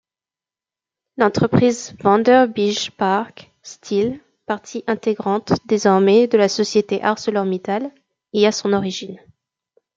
L'entreprise Vanderbijlpark Steel, partie intégrante, désormais, de la société ArcelorMittal, y a son origine.